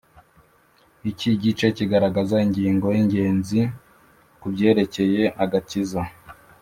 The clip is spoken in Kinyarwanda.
iki gice kigaragaza ingingo y'ingenzi kubyerekeye agakiza